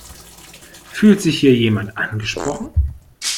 Fühlt sich hier jemand angesprochen?